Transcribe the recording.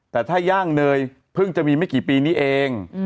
แต่ถ้าย่างเนยเพิ่งจะมีไม่กี่ปีนี้เอง